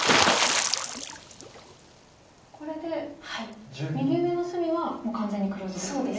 これで右上の隅はもう完全に黒地ですよね。